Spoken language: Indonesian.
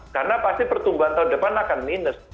karena pasti pertumbuhan tahun depan akan minus